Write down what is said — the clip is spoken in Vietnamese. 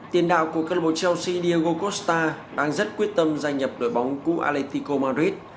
tiền đạo của club chelsea diego costa đang rất quyết tâm gia nhập đổi bóng của atletico madrid